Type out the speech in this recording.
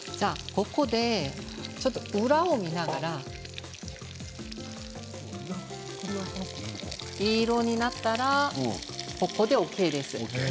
ここで裏を見ながらいい色になったらここでＯＫです。